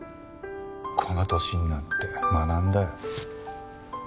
この年になって学んだよ。